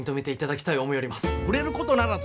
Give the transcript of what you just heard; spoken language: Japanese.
触れることならず。